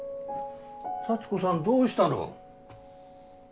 幸子さんどうしたの？